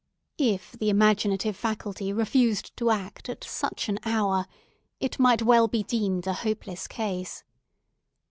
If the imaginative faculty refused to act at such an hour, it might well be deemed a hopeless case.